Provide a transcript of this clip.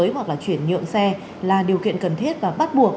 hành động nghĩa cử